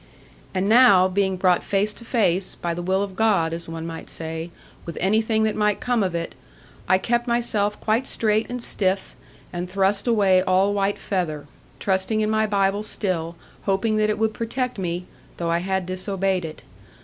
And now, being brought face to face, by the will of God (as one might say) with anything that might come of it, I kept myself quite straight and stiff, and thrust away all white feather, trusting in my Bible still, hoping that it would protect me, though I had disobeyed it.